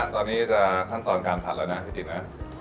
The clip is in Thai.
ตอนนี้จะขั้นตอนการผัดแล้วนะพี่ติ๋มนะ